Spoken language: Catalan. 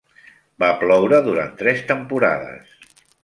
Va ploure durant tres temporades.